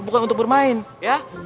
bukan untuk bermain ya